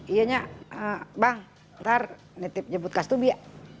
iyanya bang ntar nitip jebut kastubi ya